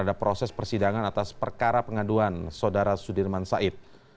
dan di sini juga ada persidangan atas perkara pengaduan saudara sudirman said